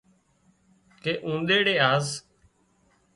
ڪي اونۮريڙي آز